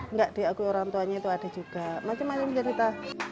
nggak diakui orang tuanya itu ada juga macam macam cerita